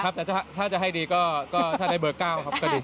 แต่ถ้าจะให้ดีก็ถ้าได้เบอร์๙ครับก็ดี